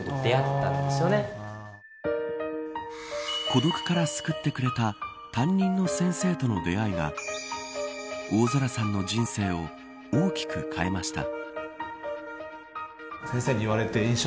孤独から救ってくれた担任の先生との出会いが大空さんの人生を大きく変えました。